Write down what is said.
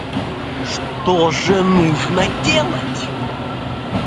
Что же нужно делать?